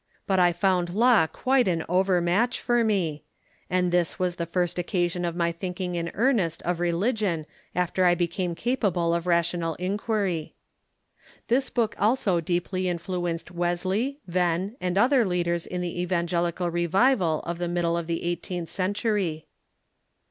But I found Law quite an over match for me ; and this was the first occasion of my thinking in earnest of religion after I became capable of rational in quiry."* This book also deeply influenced Wesle}^ Venn, and other leaders in the Evangelical Revival of the middle of the eighteenth century.